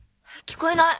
聞こえない。